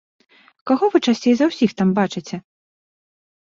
Каго вы часцей за ўсіх там бачыце?